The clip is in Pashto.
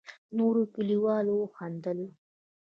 نورو کليوالو وخندل.